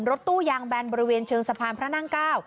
รถตู้ยางแบนบริเวณเชิงสะพานพระนั่ง๙